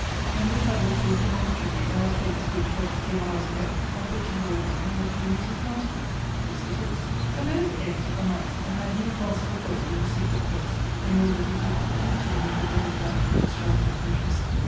And this I will prove demonstrably by a case, which, but a few hours ago, I put to Lord M. and the two Misses Montague. This it is: Suppose A, a miser, had hid a parcel of gold in a secret place, in order to keep it there, till he could lend it out at extravagant interest.